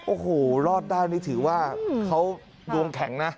โอ้โหรอดได้นี่ถือว่าเขาดวงแข็งนะ